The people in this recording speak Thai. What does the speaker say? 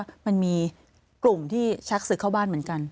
เพราะว่ามันมีกลุ่มที่ชักสึกเข้าบ้านเหมือนกัน